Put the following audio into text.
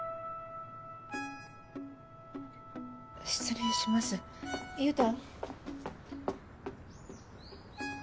失礼します優太。